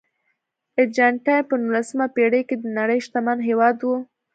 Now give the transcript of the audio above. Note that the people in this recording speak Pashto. ارجنټاین په نولسمه پېړۍ کې د نړۍ شتمن هېواد و.